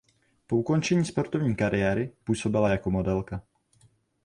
Po ukončení sportovní kariéry působila jako modelka.